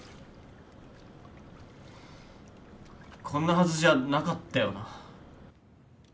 こんなはずじゃなかったよな。